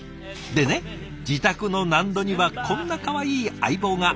でね自宅の納戸にはこんなかわいい相棒が。